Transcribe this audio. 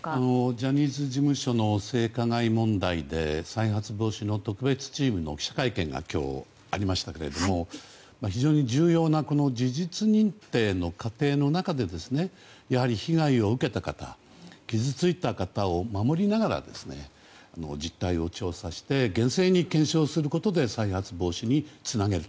ジャニーズ事務所の性加害問題で再発防止特別チームの記者会見が今日ありましたけども非常に重要な事実認定の過程の中で被害を受けた方、傷ついた方を守りながら実態を調査して厳正に検証することで再発防止につなげる。